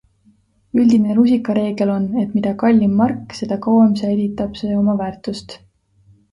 Üldine rusikareegel on, et mida kallim mark, seda kauem säilitab see oma väärtust.